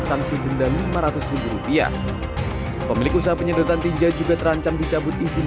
sanksi denda lima ratus rupiah pemilik usaha penyedotan tinja juga terancam dicabut izin